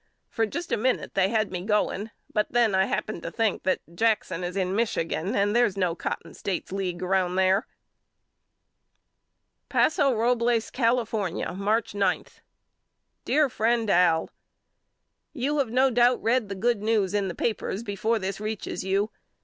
For just a minute they had me going but then I happened to think that Jackson is in Michigan and there's no Cotton States League round there, 22 YOU KNOW ME AL Paso Robles, California, March p. DEAR FRIEND AL: You have no doubt read the good news in the papers before this reaches you.